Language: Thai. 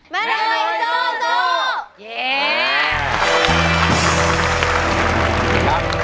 แม่หนุ๊ยซูซู